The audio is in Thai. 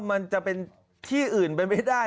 มันจะเป็นที่อื่นไปไม่ได้